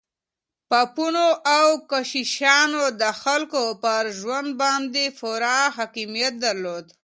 پاپانو او کشيشانو د خلګو پر ژوند باندې پوره حاکميت درلود.